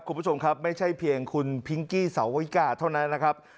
คุณผู้ชมครับไม่ใช่เพียงคุณพิงกี้สาวิกาเท่านั้นนะครับ